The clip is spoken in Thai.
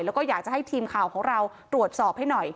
แล้วก็อยากจะให้ทีมข่าวของเราตรวจสอบให้หน่อย